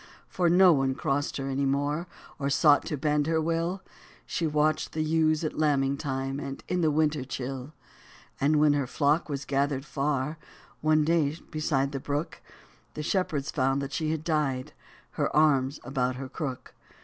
For no one crossed her any more, Or sought to bend her will ; She watched the ewes at lambing time, And in the winter chill. And when her flock was gathered far One day beside the brook, The shepherds found that she had died. Her arms about her crook.